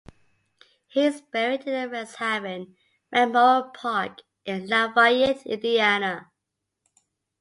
He is buried in the Rest Haven Memorial Park, in Lafayette, Indiana.